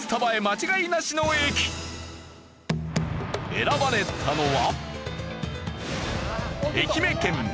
選ばれたのは。